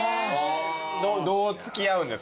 どう付き合うんですか？